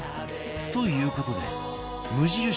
という事で無印